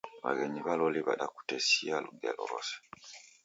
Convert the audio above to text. W'aghenyi w'a loli w'adakutesia ngelo rose.